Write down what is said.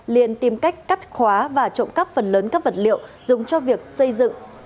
liền tìm cách cắt khóa và trộm cắp phần lớn các vật liệu dùng cho việc xây dựng